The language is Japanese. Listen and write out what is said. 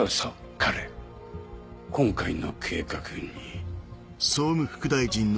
彼今回の計画に。